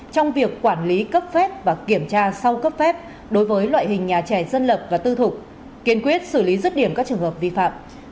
trong việc quản lý cấp phép và kiểm tra sau cấp phép đối với loại hình nhà trẻ dân lập và tư thục kiên quyết xử lý rứt điểm các trường hợp vi phạm